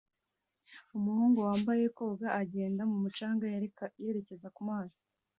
Umuhungu wambaye koga agenda mumucanga yerekeza kumazi